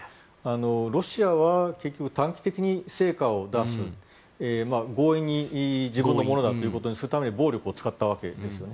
ロシアは結局短期的に成果を出す強引に自分のものだとするために暴力を使ったわけですね。